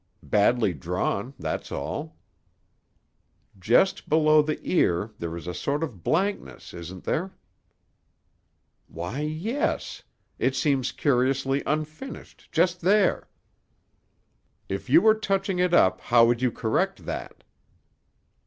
"Badly drawn; that's all." "Just below the ear there is a sort of blankness, isn't there?" "Why, yes. It seems curiously unfinished, just there." "If you were touching it up how would you correct that?"